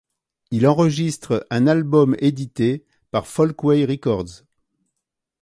Il enregistre un album édité par Folkways Records.